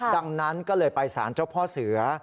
ดังนั้นก็เลยไปสารเจ้าพ่อเสือ